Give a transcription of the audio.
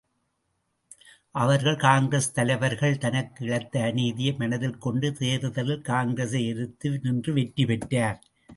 அவர்கள் காங்கிரஸ் தலைவர்கள் தனக்கு இழைத்த அநீதியை மனதில் கொண்டு தேர்தலில் காங்கிரசை எதிர்த்து நின்று வெற்றி பெற்றார்.